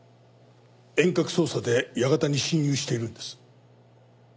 遠隔操作で館に侵入しているんです。